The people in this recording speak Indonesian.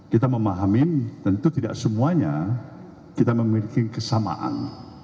kita memahami tentu tidak semuanya kita memiliki kesamaan